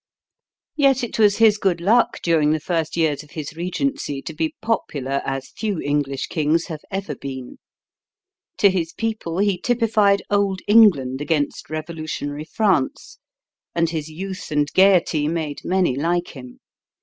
Yet it was his good luck during the first years of his regency to be popular as few English kings have ever been. To his people he typified old England against revolutionary France; and his youth and gaiety made many like him.